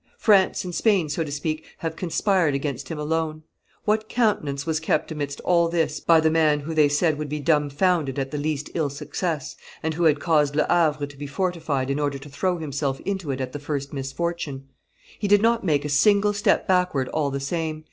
France and Spain, so to speak, have conspired against him alone. What countenance was kept amidst all this by the man who they said would be dumbfounded at the least ill success, and who had caused Le Havre to be fortified in order to throw himself into it at the first misfortune? He did not make a single step backward all the same.